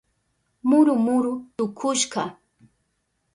Muru muru tukushka.